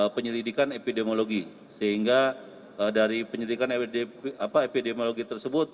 penyelidikan epidemiologi sehingga dari penyelidikan epidemiologi tersebut